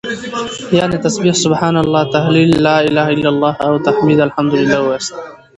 يعنې تسبيح سبحان الله، تهليل لا إله إلا الله او تحميد الحمد لله واياست